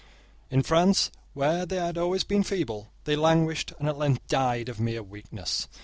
In France, where they had always been feeble, they languished, and at length died of mere weakness.